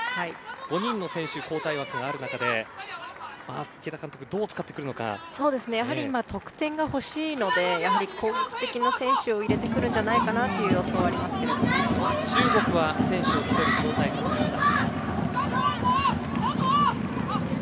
５人の選手、交代枠がある中で今、得点が欲しいので攻撃的な選手を入れてくるんじゃないかなという中国は選手を１人交代させました。